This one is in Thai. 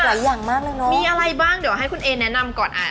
อย่างมากเลยเนอะมีอะไรบ้างเดี๋ยวให้คุณเอแนะนำก่อนอ่า